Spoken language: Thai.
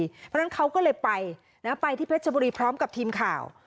เพราะฉะนั้นเขาก็เลยไปไปที่เพชรบุรีพร้อมกับทีมข่าว